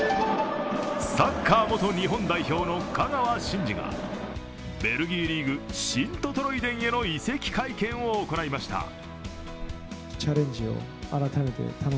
サッカー元日本代表の香川真司がベルギーリーグ、シントトロイデンへの移籍会見を行いました。